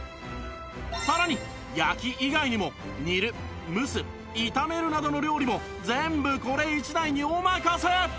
さらに焼き以外にも煮る蒸す炒めるなどの料理も全部これ一台にお任せ！